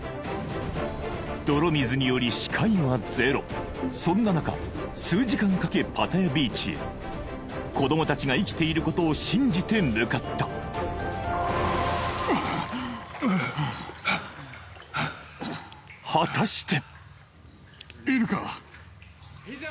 泥水により視界はゼロそんな中数時間かけパタヤビーチへ子ども達が生きていることを信じて向かったああっああっはあはあ果たして？